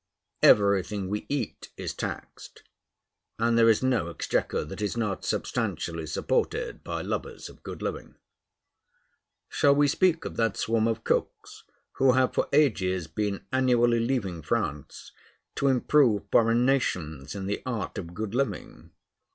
Everything we eat is taxed, and there is no exchequer that is not substantially supported by lovers of good living. Shall we speak of that swarm of cooks who have for ages been annually leaving France, to improve foreign nations in the art of good living?